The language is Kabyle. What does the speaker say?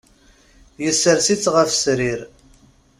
Yessers-itt ɣef srir.